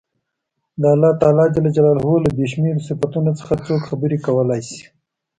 د الله تعالی له بې شمېرو صفتونو څخه څوک خبرې کولای شي.